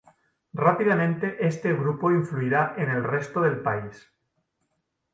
Rápidamente este grupo influirá en el resto del país.